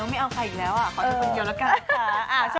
อ๋อไม่เอาใครอีกแล้วอ่ะขอโทษกันเยอะละกันค่ะ